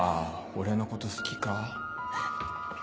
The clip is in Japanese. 俺のこと好きか？